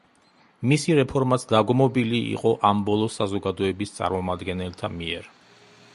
მისი რეფორმაც დაგმობილი იყო ამ ბოლო საზოგადოების წარმომადგენელთა მიერ.